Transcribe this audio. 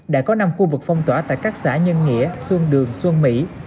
đã có năm khu vực phong tỏa tại các xã nhân nghĩa xuân đường xuân mỹ